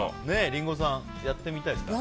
リンゴさんやってみたいですか？